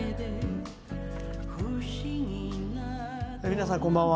皆さん、こんばんは。